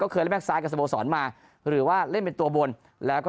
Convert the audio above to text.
เคยเล่นแก๊กซ้ายกับสโมสรมาหรือว่าเล่นเป็นตัวบนแล้วก็